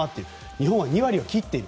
日本は２割を切っている。